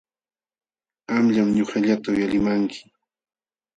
Qamllam ñuqallata uyalimanki.